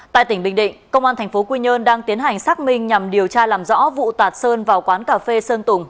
tại tỉnh bình định công an tp quy nhơn đang tiến hành xác minh nhằm điều tra làm rõ vụ tạt sơn vào quán cà phê sơn tùng